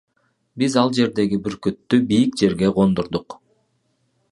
Биз ал жердеги бүркүттү бийик жерге кондурдук.